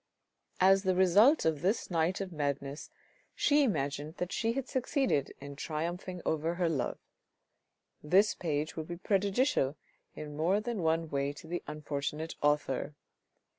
As the result of this night of madness, she imagined that she had succeeded in triumphing over her love. This page will be prejudicial in more than one way to the unfortunate author.